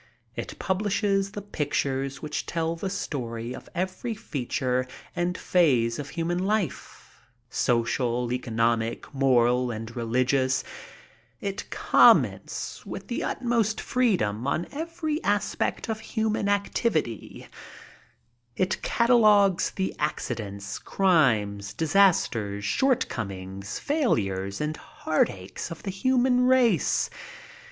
It publishes the pictures whidi tell the story of every feature and phase of human life, social, economic, moral and religious; it comments with the utmost freedom on every aspect of human activity ; it catalogues the accidents, crimes, disasters, shortcom ings, failures and heartaches of the human race.